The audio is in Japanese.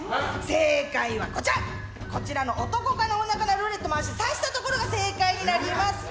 正解はこちらの男かな、女かなルーレットを回して指したところが正解になります。